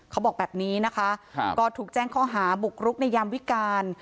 เขาบอกแบบนี้นะคะก็ถูกแจ้งข้อหาบุกรุกในยามวิการ